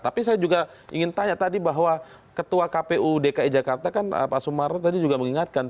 tapi saya juga ingin tanya tadi bahwa ketua kpu dki jakarta kan pak sumarro tadi juga mengingatkan